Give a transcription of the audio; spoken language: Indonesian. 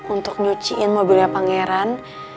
untuk nyuciin mobilnya pangeran